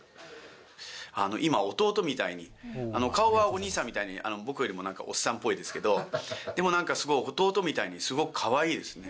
今、弟みたいに、顔はお兄さんみたいに、僕よりもなんかおっさんっぽいですけど、でもなんか、すごい弟みたいに、すごくかわいいですね。